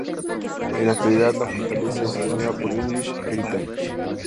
En la actualidad, la fortaleza es gestionada por English Heritage.